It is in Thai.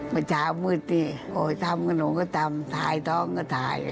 เมื่อเช้ามืดสิโอ้ยทำขนมก็ทำถ่ายท้องก็ถ่าย